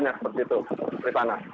jadi ini seperti itu